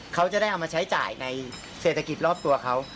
เขาจะได้เอามาใช้จ่ายในเศรษฐกิจรอบตัวเขา